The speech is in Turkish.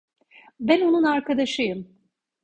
Ben onun arkadaşıyım.